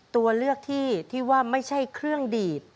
ตัวเลือกที่ที่ว่าไม่ใช่เครื่องดีด